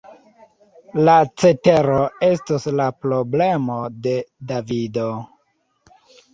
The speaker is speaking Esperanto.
La cetero estos la problemo de Davido!